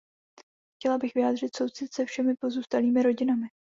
Chtěla bych vyjádřit soucit se všemi pozůstalými rodinami.